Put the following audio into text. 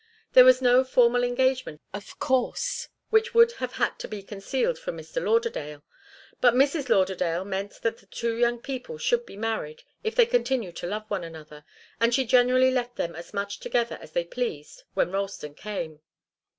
There was no formal engagement, of course, which would have had to be concealed from Mr. Lauderdale, but Mrs. Lauderdale meant that the two young people should be married if they continued to love one another, and she generally left them as much together as they pleased when Ralston came.